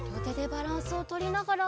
バランスをとりながら。